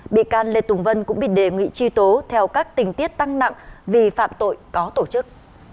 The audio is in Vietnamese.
bị can lê tùng vân cũng bị đề nghị truy tố theo các tình tiết tăng nặng vì phạm tội có tổ chức